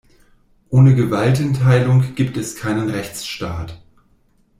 Ohne Gewaltenteilung gibt es keinen Rechtsstaat.